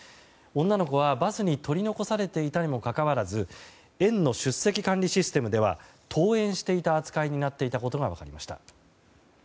女の子は、バスに取り残されていたにもかかわらず園の出席管理システムでは登園していた扱いになっていたことが分かりました。